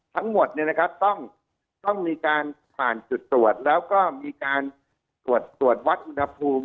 ทั้งหมดต้องมีการผ่านจุดตรวจแล้วก็มีการตรวจวัดอุณหภูมิ